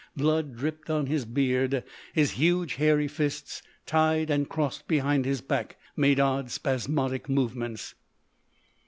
Blood dripped on his beard; his huge hairy fists, tied and crossed behind his back, made odd, spasmodic movements.